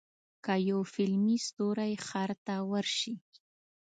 که یو فلمي ستوری ښار ته ورشي.